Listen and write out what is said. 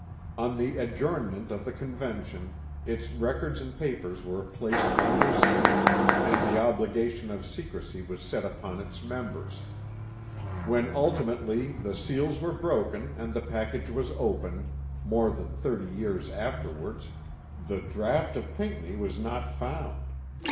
On the adjournment of the Convention its records and papers were placed under seal and the obligation of secrecy was set upon its members. When ultimately the seals were broken and the package was opened, more than thirty years afterwards, the draught of Pinckney was not found.